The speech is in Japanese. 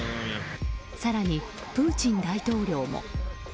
更に、プーチン大統領も。